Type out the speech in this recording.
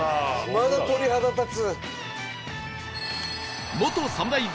まだ鳥肌立つ！